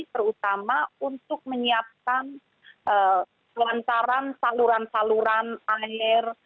terutama untuk menyiapkan kelancaran saluran saluran air